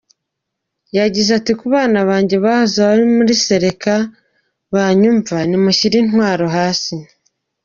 Yagize ati “ Ku bana banjye bahoze muri Séléka banyumva, nimushyire intwaro hasi.